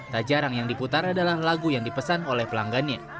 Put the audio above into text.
tak jarang yang diputar adalah lagu yang dipesan oleh pelanggannya